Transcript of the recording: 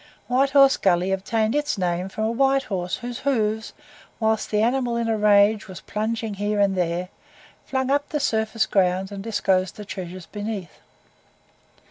White Horse Gully obtained its name from a white horse whose hoofs, whilst the animal in a rage was plunging here and there, flung up the surface ground and disclosed the treasures beneath.